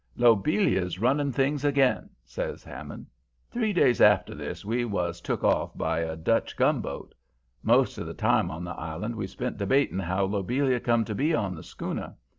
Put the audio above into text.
"'Lobelia's running things again,' says Hammond. "Three days after this we was took off by a Dutch gunboat. Most of the time on the island we spent debating how Lobelia come to be on the schooner.